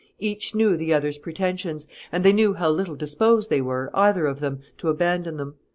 Each knew the other's pretensions, and they knew how little disposed they were, either of them, to abandon them.